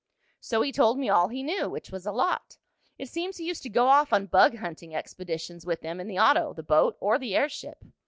"So he told me all he knew, which was a lot. It seems he used to go off on bug hunting expeditions with them in the auto, the boat or the airship."